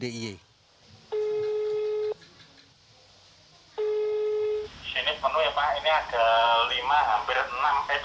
di sini penuh ya pak ini ada lima hampir enam tujuh tambah dua